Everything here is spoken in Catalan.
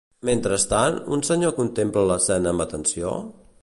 Mentrestant, un senyor contempla l'escena amb atenció?